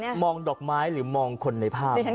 ที่เม็ดมองดอกไม้หรือมองคนในภาพ